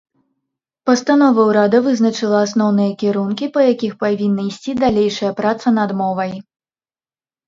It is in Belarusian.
Пастанова ўрада вызначыла асноўныя кірункі, па якіх павінна ісці далейшая праца над мовай.